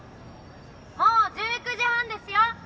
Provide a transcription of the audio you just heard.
もう１９時半ですよ。